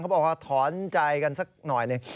บอกว่าถอนใจกันสักหน่อยหนึ่ง